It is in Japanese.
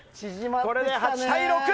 これで８対６！